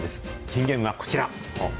金言はこちら。